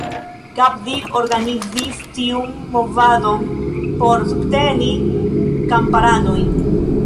Gandhi organizis tiun movadon por subteni kamparanoj.